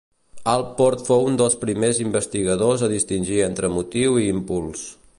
Allport fou un dels primers investigadors a distingir entre motiu i impuls.